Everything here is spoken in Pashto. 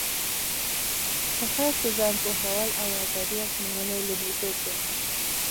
په هر څه ځان پوهول او ازادي ازموینه یې لومړیتوب دی.